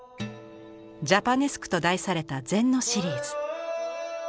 「ジャパネスク」と題された禅のシリーズ。